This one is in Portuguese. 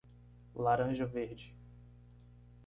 Laranja verde.